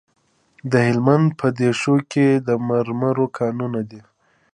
د هلمند په دیشو کې د مرمرو کانونه دي.